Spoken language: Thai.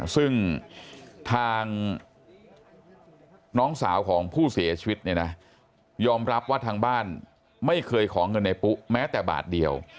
ซึ่งทางน้องสาวของผู้เสียชีวิตเนี่ยนะยอมรับว่าทางบ้านไม่เคยขอเงินในปุ๊แม้แต่บาทเดียว